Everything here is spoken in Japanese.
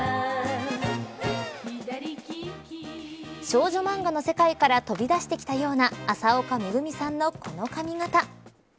少女漫画の世界から飛び出してきたような麻丘めぐみさんのこの髪型。